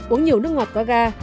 uống nhiều nước ngọt có ga